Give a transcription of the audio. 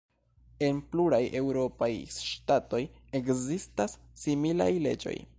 En pluraj eŭropaj ŝtatoj ekzistas similaj leĝoj.